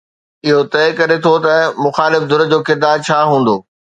اهو طئي ڪري ٿو ته مخالف ڌر جو ڪردار ڇا هوندو.